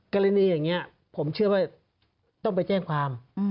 กรณีอย่างนี้ผมเชื่อว่าต้องไปแจ้งความ